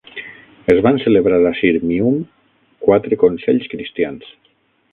Es van celebrar a Sirmium quatre consells cristians.